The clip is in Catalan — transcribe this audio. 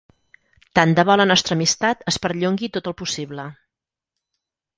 Tant de bo la nostra amistat es perllongui tot el possible.